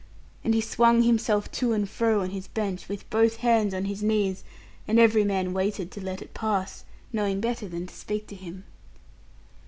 And he swung himself to and fro on his bench, with both hands on his knees; and every man waited to let it pass, knowing better than to speak to him.